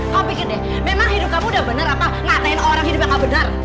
kau pikir deh memang hidup kamu udah bener apa ngatain orang hidupnya gak bener